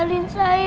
tapi aku ingin pergi